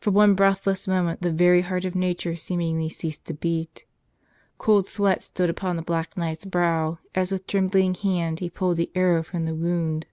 For one breathless moment the very heart of nature seemingly ceased to beat. Cold sweat stood upon the Black Knight's brow as with trembling hand he pulled the arrow from the wound.